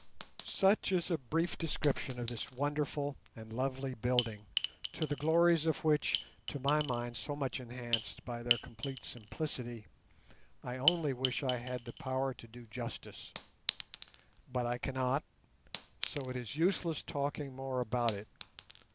Such is a brief description of this wonderful and lovely building, to the glories of which, to my mind so much enhanced by their complete simplicity, I only wish I had the power to do justice. But I cannot, so it is useless talking more about it.